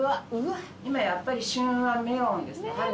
今やっぱり旬はメロンですね。